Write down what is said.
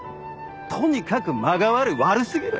とにかく間が悪い悪過ぎる！